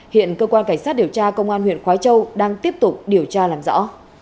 hiện cơ quan cảnh sát điều tra công an huyện khói châu đang tiếp tục điều tra làm rõ